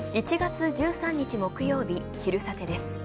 １月１３日、木曜日「昼サテ」です。